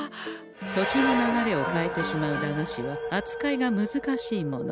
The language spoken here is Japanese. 時の流れを変えてしまう駄菓子はあつかいが難しいもの。